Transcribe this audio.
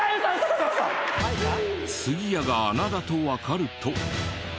杉谷が穴だとわかると。